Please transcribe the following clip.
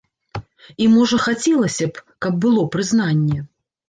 І можа хацелася б, каб было прызнанне.